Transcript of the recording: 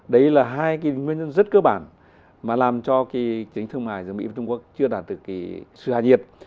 đấy là hai cái nguyên nhân rất cơ bản mà làm cho cái chiến tranh thương mại giữa mỹ và trung quốc chưa đạt được sự hạ nhiệt